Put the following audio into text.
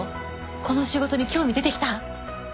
この仕事に興味出てきた？